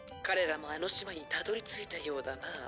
「彼らもあの島にたどり着いたようだな」